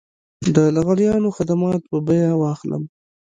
د لغړیانو خدمات په بيه واخلم.